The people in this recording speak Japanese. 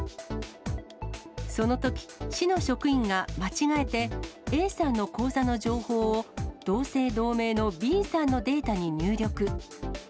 そのとき、市の職員が間違えて、Ａさんの口座の情報を、同姓同名のＢさんのデータに入力。